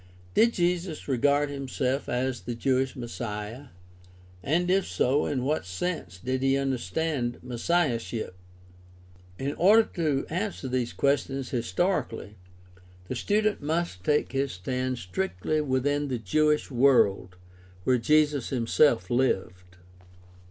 Did Jesus regard himself as the Jewish Messiah, and if so in what sense did he understand messiahship ? In order to answer these questions historically, the student must take his stand strictly within the Jewish world where Jesus himself lived.